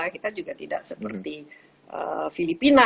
kita juga tidak seperti filipina